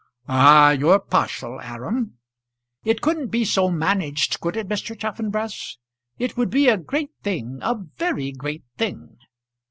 "Ah, you're partial, Aram." "It couldn't be so managed, could it, Mr. Chaffanbrass? It would be a great thing; a very great thing."